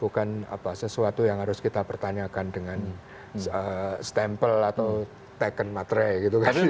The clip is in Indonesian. bukan sesuatu yang harus kita pertanyakan dengan stempel atau teken materai gitu kan